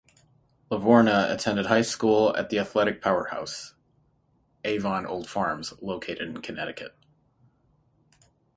Lavorgna attended high school at the athletic powerhouse, Avon Old Farms, located in Connecticut.